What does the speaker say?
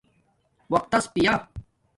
وقتس پیا